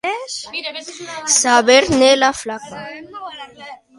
Saber-ne la flaca.